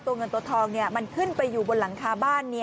เงินตัวทองมันขึ้นไปอยู่บนหลังคาบ้านนี้